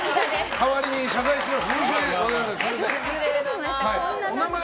代わりに謝罪します。